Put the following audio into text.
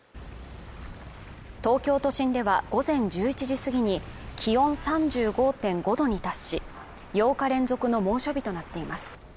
東京都心では午前１１時過ぎに気温３５．５度に達し８日連続の猛暑日となっています